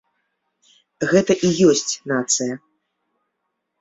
Гэта і ёсць нацыя.